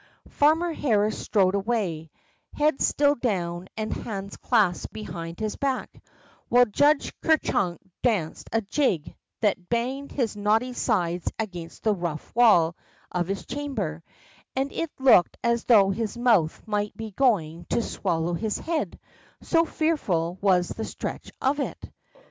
'' Farmer Harris strode away, head still down and hands clasped behind his back, while Judge Ker Chunk danced a jig that banged his knotty sides against the rough wall of his chamber, and it looked as though his mouth might be going to swallow his head, so fearful was the stretch of it.